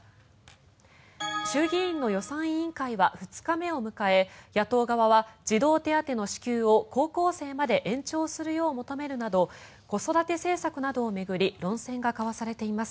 衆議院の予算委員会は２日目を迎え野党側は児童手当の支給を高校生まで延長するよう求めるなど子育て政策などを巡り論戦が交わされています。